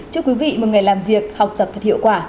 chúc quý vị một ngày làm việc học tập thật hiệu quả